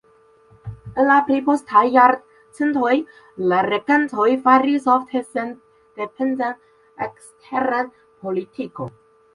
En la pli postaj jarcentoj la regantoj faris ofte sendependan eksteran politikon.